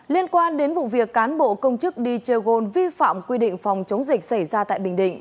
liên quan đến vụ việc cán bộ công chức đi chơi gold vi phạm quy định phòng chống dịch xảy ra tại bình định